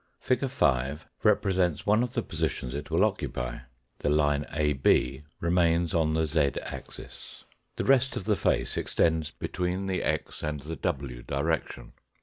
Fig. 5 represents one of the positions it will occupy ; the line AB remains on the z axis. The rest of the face extends between the x and the w direction.